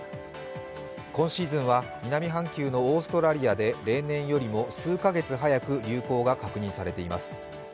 今シーズンは南半球のオーストラリアで例年よりも数か月早く流行が確認されています。